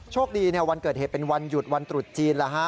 คดีวันเกิดเหตุเป็นวันหยุดวันตรุษจีน